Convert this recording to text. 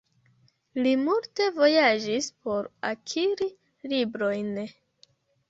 Li multe vojaĝis por akiri librojn.